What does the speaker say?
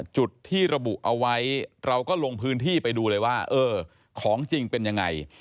จุดที่ระบุเอาไว้เราก็ลงพื้นที่ไปดูเลยว่าเออของจริงเป็นยังไง